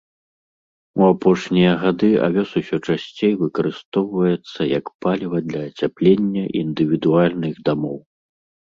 У апошнія гады авёс усё часцей выкарыстоўваецца як паліва для ацяплення індывідуальных дамоў.